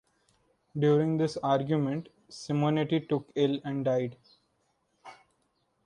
During this argument, Simonetti took ill and died.